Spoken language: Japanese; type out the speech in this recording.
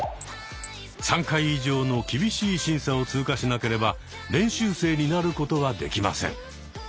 ３回以上の厳しい審査を通過しなければ練習生になることはできません。